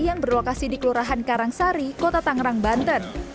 yang berlokasi di kelurahan karangsari kota tangerang banten